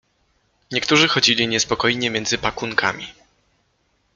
Niektórzy chodzili niespokojnie między pakunkami.